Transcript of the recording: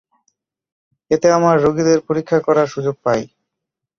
এতে আমার রোগীদের পরীক্ষা করার সুযোগ পাই।